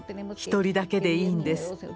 １人だけでいいんです。